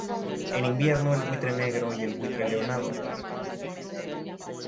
En invierno el buitre negro y el buitre leonado.